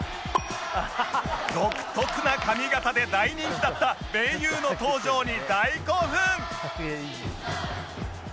独特な髪形で大人気だった盟友の登場に大興奮！